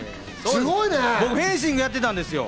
僕、フェンシングやってたんですよ。